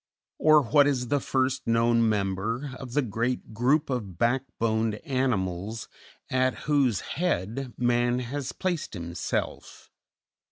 or, What is the first known member of the great group of backboned animals at whose head man has placed himself?